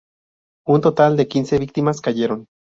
Un total de quince víctimas cayeron.